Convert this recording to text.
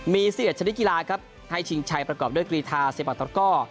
มี๑๑ชนิดกีฬาครับให้ชิงชัยประกอบด้วยกรีธาเซปัตตะก้อ